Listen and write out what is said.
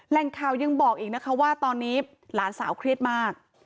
แหล่งข่าวยังบอกอีกนะคะว่าตอนนี้หลานสาวเครียดมาก